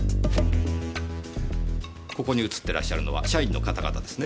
ここに写ってらっしゃるのは社員の方々ですね？